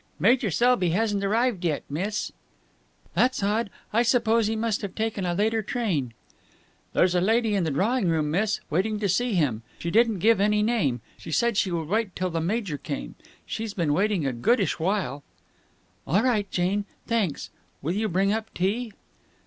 "Major Selby hasn't arrived yet, miss." "That's odd. I suppose he must have taken a later train." "There's a lady in the drawing room, miss, waiting to see him. She didn't give any name. She said she would wait till the major came. She's been waiting a goodish while." "All right, Jane. Thanks. Will you bring up tea?"